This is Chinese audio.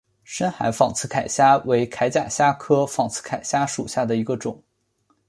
深海仿刺铠虾为铠甲虾科仿刺铠虾属下的一个种。